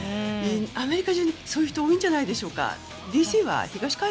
アメリカ中にそういう人が多いんじゃないでしょうか。